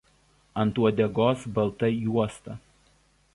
Ant uodegos balta juosta.